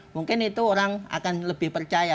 mungkin itu orang akan lebih percaya